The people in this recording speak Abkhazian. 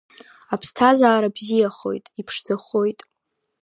Аԥсҭазара бзиахоит, иԥшӡахоит!